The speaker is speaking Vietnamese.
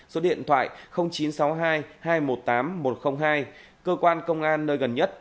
số điện thoại chín trăm sáu mươi hai hai trăm một mươi tám một trăm linh hai cơ quan công an nơi gần nhất